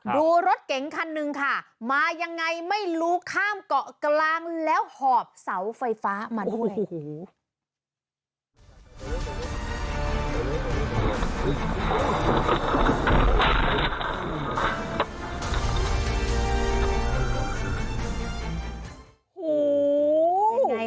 ดูรถเก๋งคันหนึ่งค่ะมายังไงไม่รู้ข้ามเกาะกลางแล้วหอบเสาไฟฟ้ามาด้วยโอ้โห